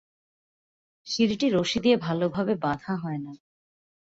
সিঁড়িটি রশি দিয়ে ভালোভাবে বাঁধা হয় না।